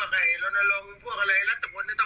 ถ้าอยากร้องก็เจอกัน